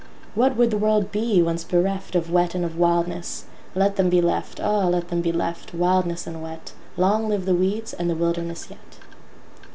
What would the world be, once bereftOf wet and of wildness? Let them be left,O let them be left, wildness and wet; Long live the weeds and the wilderness yet.